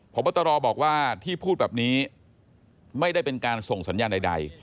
พบตรบอกว่าที่พูดแบบนี้ไม่ได้เป็นการส่งสัญญาณใด